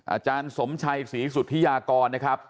อาจารย์สมชัยศรีสุธิยากรนะครับ